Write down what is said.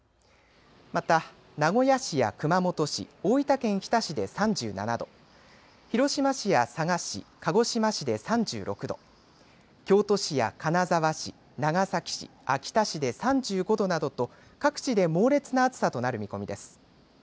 また、名古屋市や熊本市、大分県日田市で３７度、広島市や佐賀市、鹿児島市で３６度、京都市や金沢市、長崎市、秋田市で３５度などと各地で猛烈な暑さとなる見込みです。